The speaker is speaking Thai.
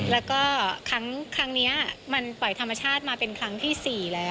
แล้วก็ครั้งนี้มันปล่อยธรรมชาติมาเป็นครั้งที่๔แล้ว